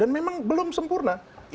dan memang belum sempurna itu pasti